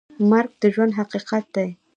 مرګ د ژوند حقیقت دی؟